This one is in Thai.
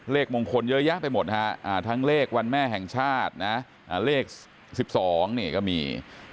เลขมงคลเยอะแยะไปหมดฮะทั้งเลขวันแม่แห่งชาตินะเลข๑๒นี่ก็มี